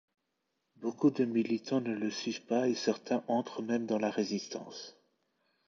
Beaucoup de militants ne le suivent pas et certains entrent même dans la Résistance.